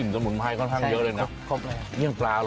ใส่ขนมจีนก็ได้ครับ